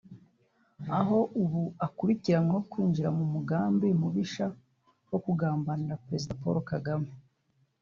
aho ubu akurikiranweho kwinjira mu mugambi mubisha wo kugambanira Perezida Paul kagame